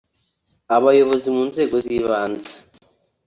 Abayobozi mu nzego z’ibanze